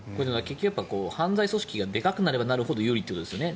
犯罪組織がでかくなればなるほど有利ということですね。